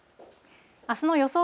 あすの予想